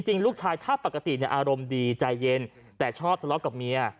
จริงลูกชายถ้าปกติอารมณ์ดีใจเย็นแต่ชอบทะเลาะกับเมีย